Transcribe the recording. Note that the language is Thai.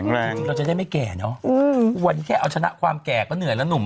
จริงเราจะได้ไม่แก่เนอะวันนี้แค่เอาชนะความแก่ก็เหนื่อยแล้วหนุ่ม